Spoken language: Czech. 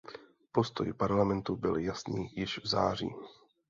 Postoj Parlamentu byl jasný již v září.